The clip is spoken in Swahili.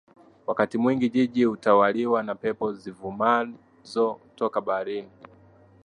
Wakati mwingi Jiji hutawaliwa na pepo zivumazo toka baharini